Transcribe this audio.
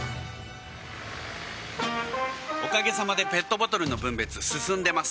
おかげさまでペットボトルの分別進んでいます。